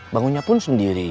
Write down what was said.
bangunnya pun sendiri